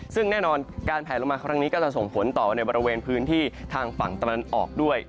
ซึ่งแน่นอนการแผลลงมาครั้งนี้ก็จะส่งผลต่อในบริเวณพื้นที่ทางฝั่งตะวันออกด้วย